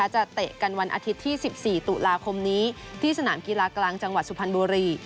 เตะกันวันอาทิตย์ที่๑๔ตุลาคมนี้ที่สนามกีฬากลางจังหวัดสุพรรณบุรี